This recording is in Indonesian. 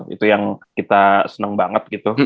itu yang kita seneng banget gitu